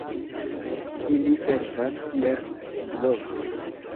Ili servas kiel sidlokoj.